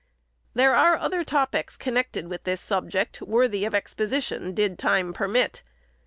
There are other topics, connected with this subject, worthy of exposition, did time permit.